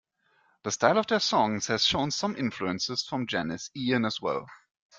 The style of their songs has shown some influences from Janis Ian as well.